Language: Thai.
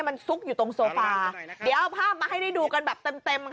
มันซุกอยู่ตรงโซฟาเดี๋ยวพ่อให้ดูกันแบบเต็ม